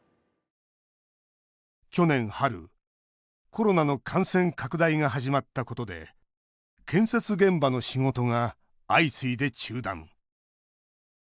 去年春、コロナの感染拡大が始まったことで建設現場の仕事が相次いで中断。